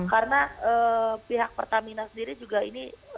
karena pihak pertamina sendiri juga ini